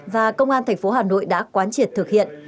và công an tp hà nội đã quán triệt thực hiện